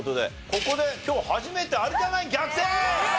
ここで今日初めて有田ナイン逆転！